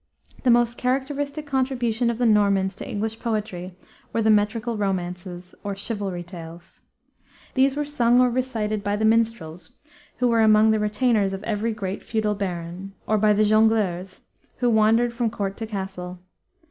The most characteristic contribution of the Normans to English poetry were the metrical romances or chivalry tales. These were sung or recited by the minstrels, who were among the retainers of every great feudal baron, or by the jongleurs, who wandered from court to castle.